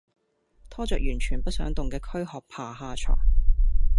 拖著完全不想動的驅殼爬下床